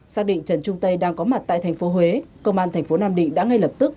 xác định trần trung tây đang có mặt tại thành phố huế công an thành phố nam định đã ngay lập tức